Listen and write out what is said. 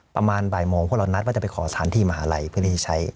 ประมาณบายโมงว่านักว่าจะรอสตราศน์ที่มหาวิทยาลัย